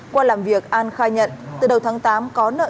qua làm việc an khai nhận từ đầu tháng tám có nợ